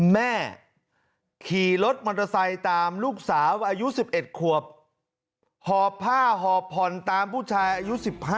แม่ขี่รถมอเตอร์ไซค์ตามลูกสาวอายุ๑๑ขวบหอบผ้าหอบผ่อนตามผู้ชายอายุ๑๕